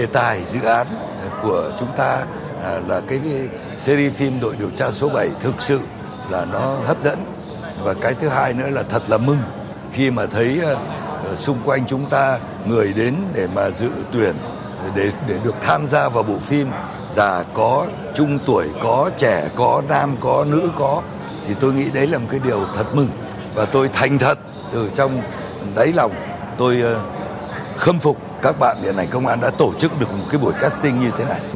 tôi khâm phục các bạn điện ảnh công an đã tổ chức được một buổi casting như thế này